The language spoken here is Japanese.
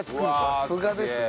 さすがですね。